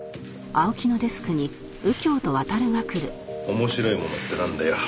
面白いものってなんだよ？